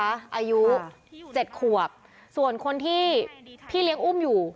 อายุเจ็ดขวบส่วนคนที่พี่เลี้ยงอุ้มอยู่